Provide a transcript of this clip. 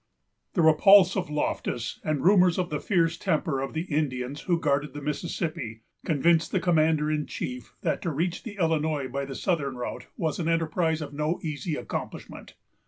The repulse of Loftus, and rumors of the fierce temper of the Indians who guarded the Mississippi, convinced the commander in chief that to reach the Illinois by the southern route was an enterprise of no easy accomplishment.